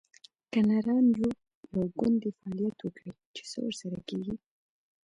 که نران یو، یو ګوند دې فعالیت وکړي؟ چې څه ورسره کیږي